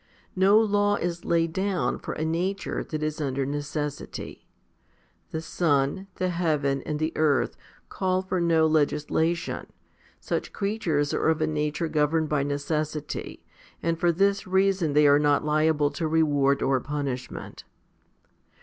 No law is laid down for a nature that is under necessity. The sun, the heaven and the earth, call for no legislation ; such creatures are of a nature 1 Rom. ix. 33. 2i2 FIFTY SPIRITUAL HOMILIES governed by necessity, and for this reason they are not liable to reward or punishment.